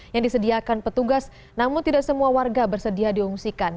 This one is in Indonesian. yang disediakan petugas namun tidak semua warga bersedia diungsikan